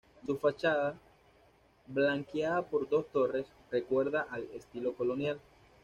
Su fachada, flanqueada por dos torres, recuerda al estilo colonial.